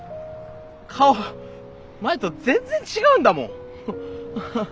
顔前と全然違うんだもん。